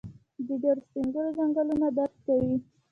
د ډيرو سپين ږيرو ځنګنونه درد کوي.